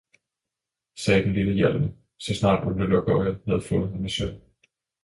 sagde den lille Hjalmar, så snart Ole Lukøje havde fået ham i søvn.